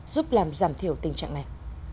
giúp làm giảm thiểu tình trạng này